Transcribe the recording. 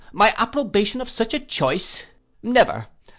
My approbation of such a choice! Never.